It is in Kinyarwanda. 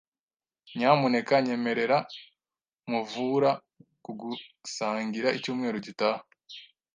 Nyamuneka nyemerera nkuvura kugusangira icyumweru gitaha?